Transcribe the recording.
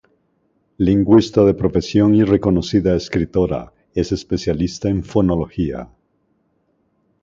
Lingüista de profesión y reconocida escritora, es especialista en fonología.